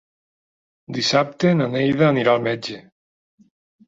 Dissabte na Neida anirà al metge.